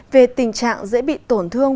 về tình trạng dễ bị tổn thương